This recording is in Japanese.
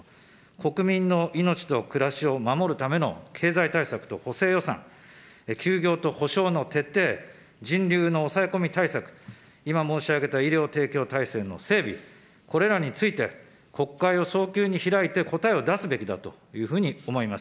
国民の命と暮らしを守るための経済対策と補正予算、休業と補償の徹底、人流の抑え込み対策、今申し上げた医療提供体制の整備、これらについて、国会を早急に開いて、答えを出すべきだというふうに思います。